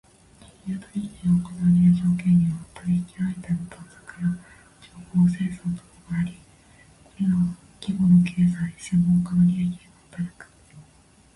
金融取引が行われる条件には、取引相手の探索や情報生産などがあり、これらは規模の経済・専門家の利益が働く。